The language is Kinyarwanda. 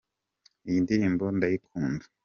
iyindirimbo ndayikunda